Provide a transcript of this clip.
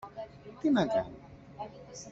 Τι να κάνει;